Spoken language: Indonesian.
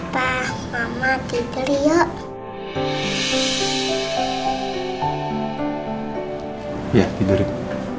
pa mama tidur yuk